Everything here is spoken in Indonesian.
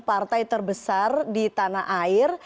partai terbesar di tanah air